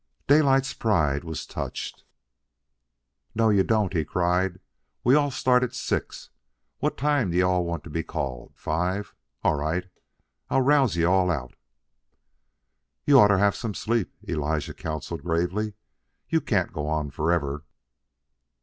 Daylight's pride was touched. "No you don't," he cried. "We all start at six. What time do you all want to be called? Five? All right, I'll rouse you all out." "You oughter have some sleep," Elijah counselled gravely. "You can't go on forever."